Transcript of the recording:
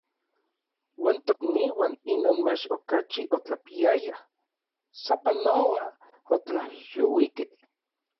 Uan tokniuan inon mach okachi otlapiayaj, sapanoa otlajyouikej.